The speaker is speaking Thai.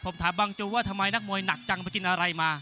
ผมถามบางจูนว่าทำไมมีหนอกจังมากินอะไรมา